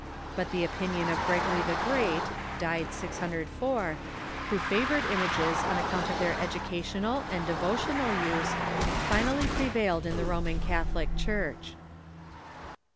But the opinion of Gregory the Great (died 604), who favored im ages on account of their educational and devotional use, finally prevailed in the Roman Catholic Church.